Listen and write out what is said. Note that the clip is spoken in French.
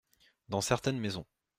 Dans certaines maisons.